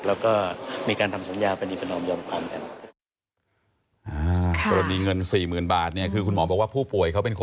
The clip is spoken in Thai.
แล้วก็มีการทำสัญญาปรณีประนอมยอมความกัน